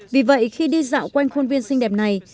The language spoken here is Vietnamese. vì vậy khi đi dạo quanh khuôn viên xinh đẹp này